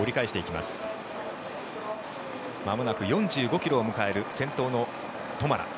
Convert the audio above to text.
まもなく４５ｋｍを迎える先頭のトマラ。